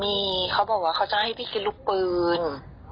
มีเขาบอกว่าเขาจะให้พี่กินลูกปืน